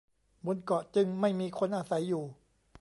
บนเกาะจึงไม่มีคนอาศัยอยู่